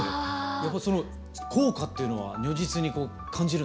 やっぱその効果っていうのは如実に感じるんですか？